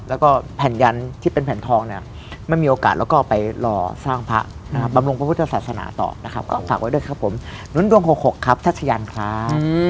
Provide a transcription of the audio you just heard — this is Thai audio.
แล้วก็แผ่นยันที่เป็นแผ่นทองเนี่ยไม่มีโอกาสแล้วก็ไปรอสร้างพระนะครับบำรุงพระพุทธศาสนาต่อนะครับก็ฝากไว้ด้วยครับผมหนุนดวง๖๖ครับทัชยันครับ